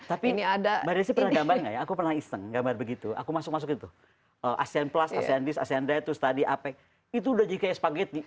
tapi mbak raisi pernah gambar nggak ya aku pernah iseng gambar begitu aku masuk masuk itu tuh asean plus asean this asean that terus tadi apec itu udah jadi kayak spaghetti